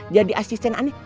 jadi asisten ane